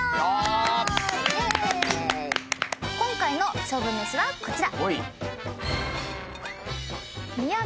今回の勝負めしはこちら。